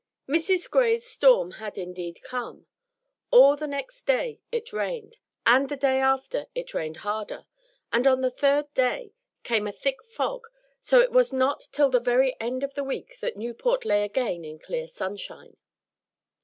MRS. GRAY'S storm had indeed come. All the next day it rained, and the day after it rained harder, and on the third day came a thick fog; so it was not till the very end of the week that Newport lay again in clear sunshine.